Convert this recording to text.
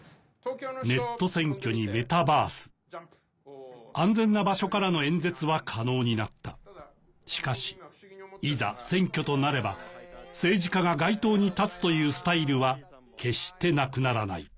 ネット選挙にメタバース安全な場所からの演説は可能になったしかしいざ選挙となれば政治家が街頭に立つというスタイルは決してなくならない・